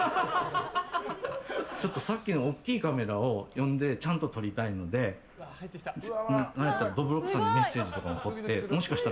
さっきの大きいカメラを呼んでちゃんと撮りたいのでどぶろっくさんにメッセージとかとってもしかしたら